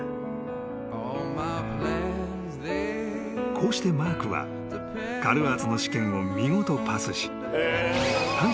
［こうしてマークはＣａｌＡｒｔｓの試験を見事パスし］